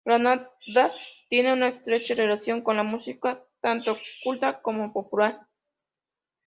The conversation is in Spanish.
Granada tiene una estrecha relación con la música, tanto culta como popular.